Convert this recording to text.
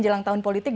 jelang tahun politik